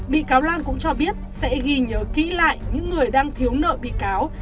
bị cáo lan cũng cho biết sẽ ghi nhớ kỹ lại những người đang thiếu nợ bị cáo